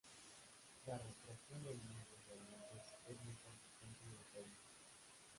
La recreación de mundos y ambientes es muy consistente y detallista.